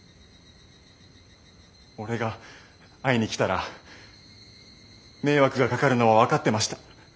俺が会いに来たら迷惑がかかるのは分かってました。